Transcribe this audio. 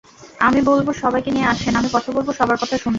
আমি বলব সবাইকে নিয়ে আসেন, আমি কথা বলব, সবার কথা শুনব।